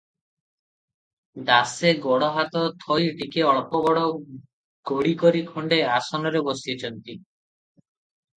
ଦାସେ ଗୋଡ଼ ହାତ ଧୋଇ ଟିକିଏ ଅଳ୍ପ ଗଡ଼ ଗଡ଼ି କରି ଖଣ୍ଡେ ଆସନରେ ବସିଛନ୍ତି ।